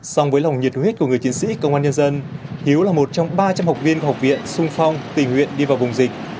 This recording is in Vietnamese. song với lòng nhiệt huyết của người chiến sĩ công an nhân dân hiếu là một trong ba trăm linh học viên của học viện sung phong tình nguyện đi vào vùng dịch